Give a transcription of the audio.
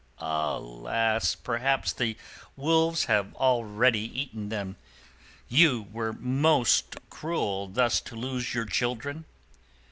alas! perhaps the wolves have already eaten them! You were most cruel thus to lose your children."